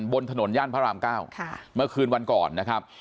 บนถนนย่านพระราม๙เมื่อคืนวันก่อนนะครับ